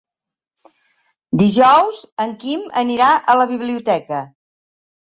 Dijous en Quim anirà a la biblioteca.